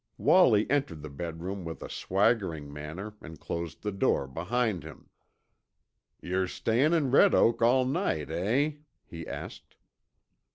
Wallie entered the bedroom with a swaggering manner and closed the door behind him. "Yer stayin' in Red Oak all night, eh?" he asked.